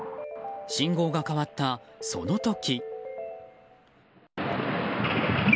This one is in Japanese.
信号が変わったその時。